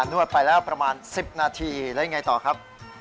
นวดไปแล้วประมาณ๑๐นาทีแล้วยังไงต่อครับ